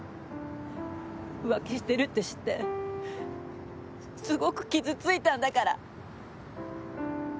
浮気しているって知ってすごく傷ついたんだから！